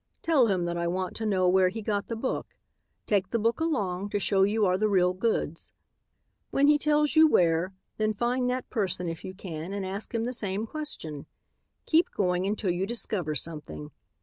Tell him that I want to know where he got the book; take the book along, to show you are the real goods. When he tells you where, then find that person if you can and ask him the same question. Keep going until you discover something.